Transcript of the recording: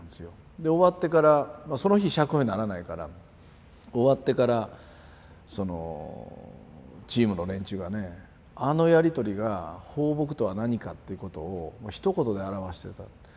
で終わってからその日釈放にならないから終わってからチームの連中がねあのやり取りが抱樸とは何かっていうことをひと言で表してたって。